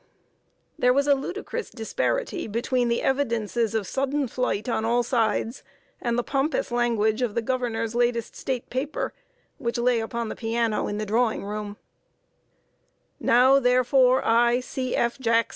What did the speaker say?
There was a ludicrous disparity between the evidences of sudden flight on all sides and the pompous language of the Governor's latest State paper, which lay upon the piano in the drawing room: "Now, therefore, I, C. F.